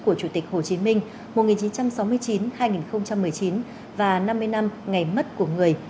của chủ tịch hồ chí minh một nghìn chín trăm sáu mươi chín hai nghìn một mươi chín và năm mươi năm ngày mất của người